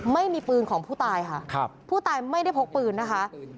ไม่มีปืนของผู้ตายค่ะผู้ตายไม่ได้พกปืนนะคะ